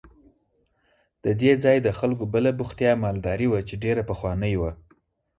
د دې ځای د خلکو بله بوختیا مالداري وه چې ډېره پخوانۍ وه.